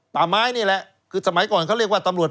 ป่าไม้นี่แหละคือสมัยก่อนเขาเรียกว่าตำรวจ